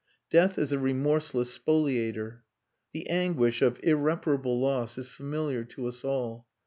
Death is a remorseless spoliator. The anguish of irreparable loss is familiar to us all.